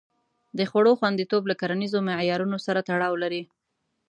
د خوړو خوندیتوب له کرنیزو معیارونو سره تړاو لري.